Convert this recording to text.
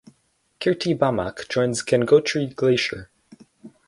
Kirti Bamak joins Gangotri glacier.